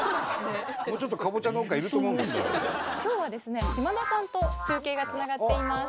今日はですね島田さんと中継がつながっています。